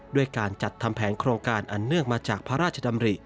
ด้วยการจัดทำแผนโครงการอันเนื่องมาจากพระราชดำริ